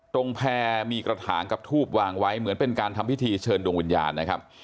แพร่มีกระถางกับทูบวางไว้เหมือนเป็นการทำพิธีเชิญดวงวิญญาณนะครับ